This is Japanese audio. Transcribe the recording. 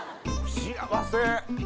幸せ！